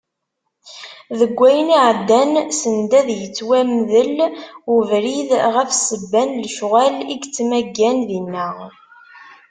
Deg wayen iɛeddan, send ad yettwamdel ubrid ɣef sebba n lecɣal i yettmaggan dinna.